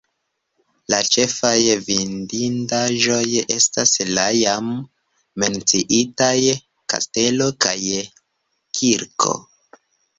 La ĉefaj vidindaĵoj estas la jam menciitaj kastelo kaj kirko.